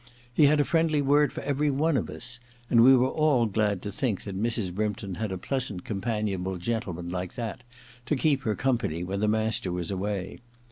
He had a friendly word for every one of us, and we were all glad to think that Mrs. Brympton had a pleasant companionable gentleman like that to keep her company when the master was away.